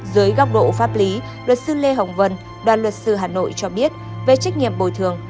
dưới góc độ pháp lý luật sư lê hồng vân đoàn luật sư hà nội cho biết về trách nhiệm bồi thường